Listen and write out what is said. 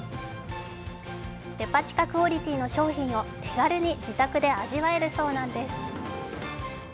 デパ地下クオリティーの商品を手軽に自宅で味わえるそうなんです。